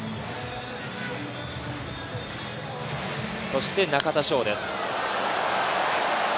そして中田翔です。